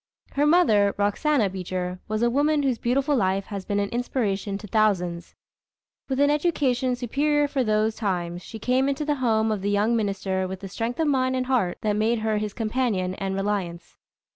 Her mother, Roxana Beecher, was a woman whose beautiful life has been an inspiration to thousands. With an education superior for those times, she came into the home of the young minister with a strength of mind and heart that made her his companion and reliance.